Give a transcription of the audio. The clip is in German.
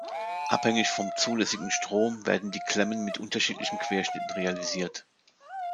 Abhängig vom zulässigen Strom werden die Klemmen mit unterschiedlichen Querschnitten realisiert.